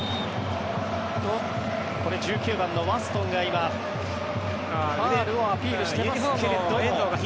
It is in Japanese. これは１９番のワストンが今、ファウルをアピールしていますが。